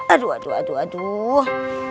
aduh aduh aduh aduh